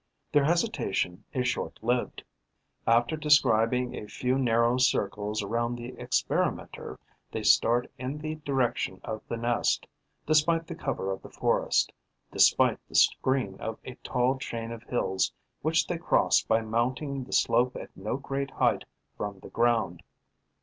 Their hesitation is short lived: after describing a few narrow circles around the experimenter, they start in the direction of the nest, despite the cover of the forest, despite the screen of a tall chain of hills which they cross by mounting the slope at no great height from the ground.